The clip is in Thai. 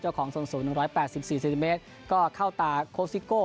ของส่วนสูง๑๘๔เซนติเมตรก็เข้าตาโค้ซิโก้